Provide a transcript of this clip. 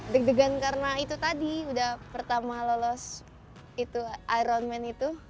deg degan karena itu tadi udah pertama lolos ironman itu